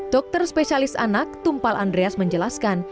dokter spesialis anak tumpal andreas menjelaskan